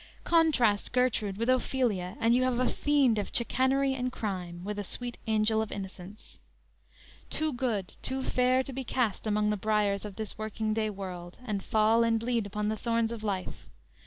Contrast Gertrude with Ophelia, and you have a fiend of chicanery and crime, with a sweet angel of innocence: "Too good, too fair to be cast among the briers of this working day world and fall and bleed upon the thorns of life.